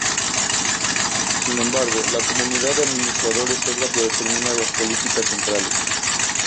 Sin embargo, la comunidad de administradores es la que determina las políticas centrales.